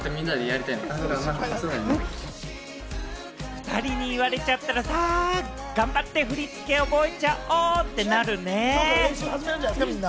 ２人に言われちゃったらさあ、頑張って振り付けを覚えちゃお！ってなるね。